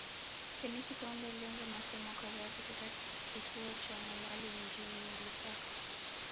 Kenethi Kaunda alianza masomo kadhaa katika kituo cha Munali mjini Lusaka